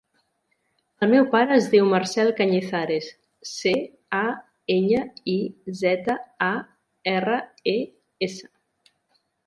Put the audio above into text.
El meu pare es diu Marcel Cañizares: ce, a, enya, i, zeta, a, erra, e, essa.